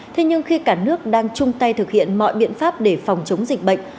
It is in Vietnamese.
thế nhưng khi cả nước đang chung tay thực hiện mọi biện pháp để phòng chống dịch bệnh